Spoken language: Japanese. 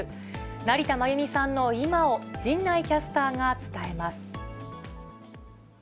成田真由美さんの今を、陣内キャスターが伝えます。